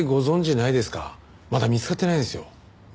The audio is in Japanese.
まだ見つかってないんですよ。